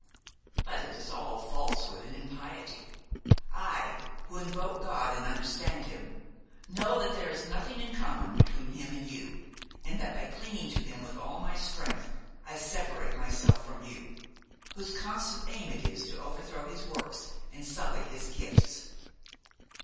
But it is all falsehood and impiety. I, who invoke God and understand Him, know that there is nothing in common between Him and you, and that by clinging to Him with all my strength I separate myself from you, whose constant aim it is to overthrow His works and sully His gifts.